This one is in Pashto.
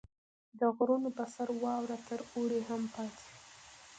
• د غرونو په سر واوره تر اوړي هم پاتې وي.